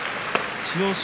千代翔